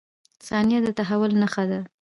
• ثانیه د تحول نښه ده.